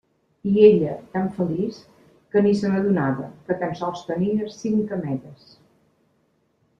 I ella, tan feliç, que ni se n'adonava, que tan sols tenia cinc cametes.